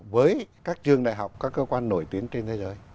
với các trường đại học các cơ quan nổi tiếng trên thế giới